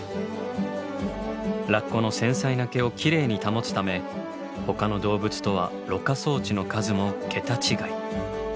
ラッコの繊細な毛をキレイに保つためほかの動物とはろ過装置の数も桁違い。